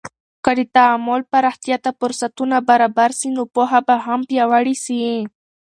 که د تعامل پراختیا ته فرصتونه برابر سي، نو پوهه به هم پیاوړې سي.